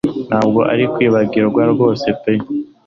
Ntabwo ari ukwibagirwa rwose pe